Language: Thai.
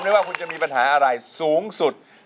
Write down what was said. ไม่ว่าคุณจะมีปัญหาอะไรสูงสุด